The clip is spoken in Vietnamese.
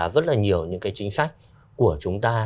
rất nhiều những chính sách của chúng ta